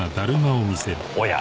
おや。